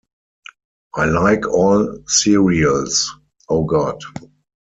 I like all cereals... Oh, God.